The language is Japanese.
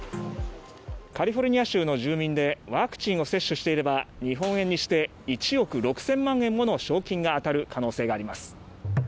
カリフォルニア州の住民でワクチンを接種していれば日本円にして１億６０００万円もの賞金が当たる可能性があります。